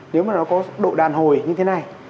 nếu mà nó có độ đàn hồi như thế này